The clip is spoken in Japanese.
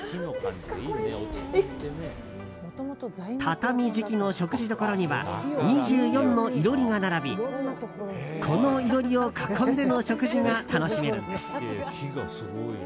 畳敷きの食事どころには２４の囲炉裏が並びこの囲炉裏を囲んでの食事が楽しめるんです。